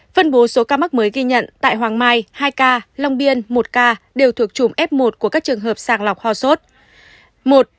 phân bố số ca mắc mới ghi nhận tại hoàng mai hai ca long biên một ca đều thuộc chùm f một của các trường hợp sàng lọc ho sốt